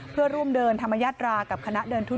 เพื่อร่วมเดินธรรมญาตรากับคณะเดินทุน